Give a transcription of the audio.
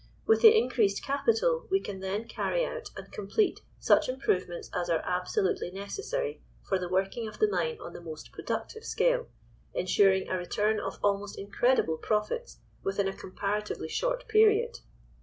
With the increased capital, we can then carry out and complete such improvements as are absolutely necessary for the working of the mine on the most productive scale, ensuring a return of almost incredible profits within a comparatively short period.